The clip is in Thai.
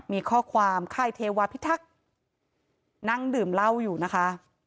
มีข้อความค่ายเทวาพิทักษ์นั่งดื่มเหล้าอยู่นะคะ